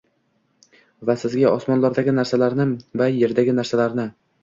«Va sizga osmonlardagi narsalarni va yerdagi narsalarni